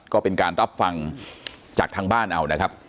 ก็เป็นการรับฟังจากทางบ้านเอานะครับ